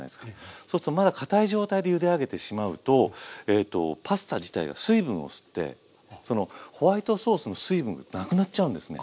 そうするとまだかたい状態でゆで上げてしまうとパスタ自体が水分を吸ってそのホワイトソースの水分がなくなっちゃうんですね。